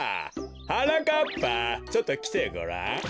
はなかっぱちょっときてごらん。